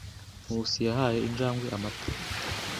Nkusi yahaye injangwe amata.